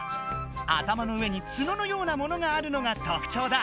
頭の上に角のようなものがあるのがとくちょうだ。